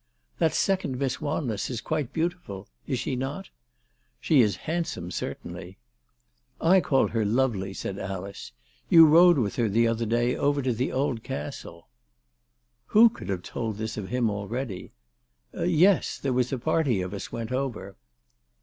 " That second Miss Wanless is quite beautiful ; is she not ?"" She is handsome certainly." " I call her lovely/' said Alice. "You rode with her the other day over to that old castle." Who could have told this of him already ?" Yes ; there was a party of us went over."